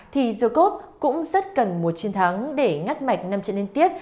thì jacob cũng rất cần một chiến thắng để ngắt mạch năm trận liên tiếp